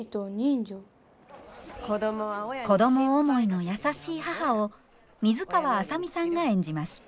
子供思いの優しい母を水川あさみさんが演じます。